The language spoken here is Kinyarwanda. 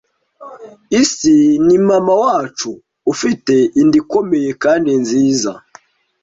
isi ni mama wacu ufite inda ikomeye kandi nziza